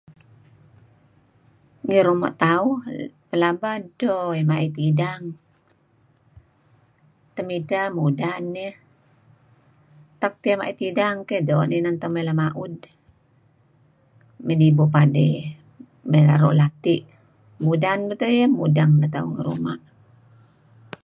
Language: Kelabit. Ngi ruma' tauh pelaba edto deh ma'it idang, temidteh eh mudan iyeh. Utak iyeh ma'it idang keh doo' neh inan tauh mey lema'ud, mey nibu padey, mey naru' lati'. Mudan beto' iyeh keh mudeng neh tauh ngi ruma'.